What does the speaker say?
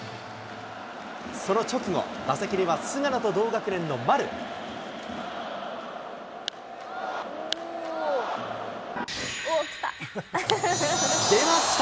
その直後、打席には菅野と同学年の丸。出ました！